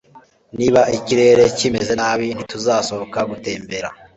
Niba ikirere kimeze nabi ntituzasohoka gutembera